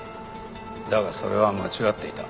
だがそれは間違っていた。